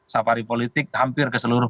safari politik hampir ke seluruh